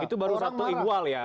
itu baru satu ihwal ya